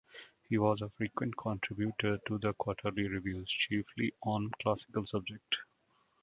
He was a frequent contributor to the quarterly reviews, chiefly on classical subjects.